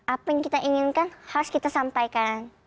apa yang kita inginkan harus kita sampaikan